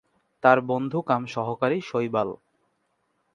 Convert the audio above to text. তার বন্ধু কাম সহকারী শৈবাল।